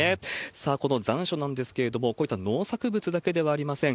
さあ、この残暑なんですけれども、こういった農作物だけではありません。